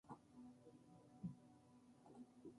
Pasó gran parte de su infancia en una comuna de Somerset.